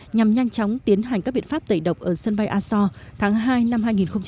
nhằm nhanh chóng tiến hành các biện pháp tẩy độc ở sân bay aso tháng hai năm hai nghìn hai mươi